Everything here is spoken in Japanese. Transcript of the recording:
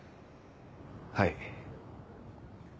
はい。